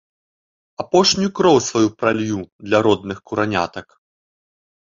Апошнюю кроў сваю пралью для родных куранятак.